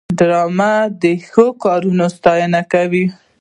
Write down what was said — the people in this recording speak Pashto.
ډرامه د ښو کارونو ستاینه کوي